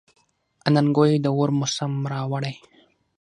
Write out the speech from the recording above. اننګو یې د اور موسم راوړی.